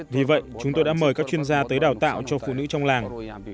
vì vậy chúng tôi đã mời các chuyên gia tới đào tạo cho phụ nữ trong làng